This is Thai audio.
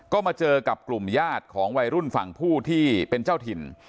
ก็มาเจอกับกลุ่มญาติของวัยรุ่นฝั่งผู้ที่เป็นเจ้าถิ่น